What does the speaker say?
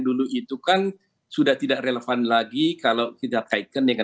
dan sudah pernah diperhatikan dalam pemilihan tahun dua ribu tujuh belas